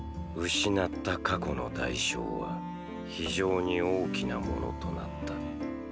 失った過去の代償は非常に大きなものとなった。